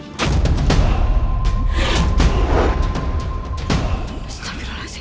tidak ada relasi